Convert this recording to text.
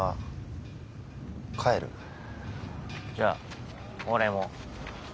じゃ俺も。